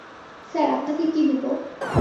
Sir, আপনাকে কী দিবো?